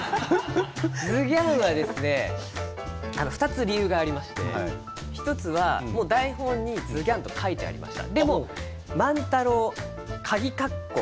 ズギャンは２つ理由がありまして１つは台本にズギャンと書いてありました。